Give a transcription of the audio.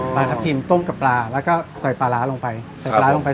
ปลาทับทิมต้มกับปลาแล้วก็ใส่ปลาร้าลงไปใส่ปลาร้าลงไป